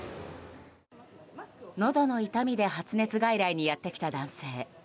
のどの痛みで発熱外来にやってきた男性。